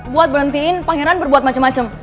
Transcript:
buat berhentiin pangeran berbuat macem macem